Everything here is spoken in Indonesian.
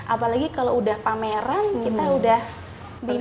apalagi kalau udah pameran kita udah bisa